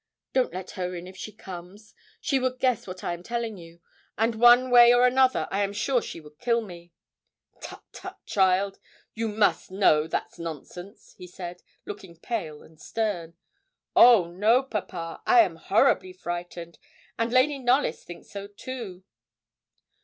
Don't let her in if she comes; she would guess what I am telling you, and one way or another I am sure she would kill me.' 'Tut, tut, child. You must know that's nonsense,' he said, looking pale and stern. 'Oh no, papa. I am horribly frightened, and Lady Knollys thinks so too.'